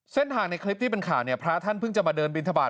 เส้นทางในคลิปที่เป็นข่าวพระท่านเพิ่งจะมาเดินบิณฑบาตร